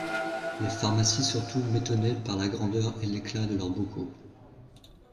Les pharmacies surtout m'étonnaient par la grandeur et l'éclat de leurs bocaux.